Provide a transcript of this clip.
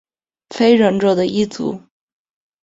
非人者的一族。